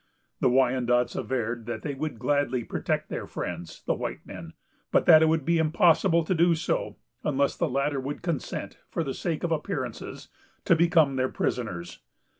The Wyandots averred that they would gladly protect their friends, the white men; but that it would be impossible to do so, unless the latter would consent, for the sake of appearances, to become their prisoners.